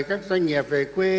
các doanh nghiệp về quê